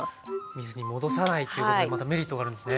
水に戻さないっていうことでまたメリットがあるんですね。